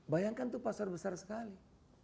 bayangkan itu pasar besar sekali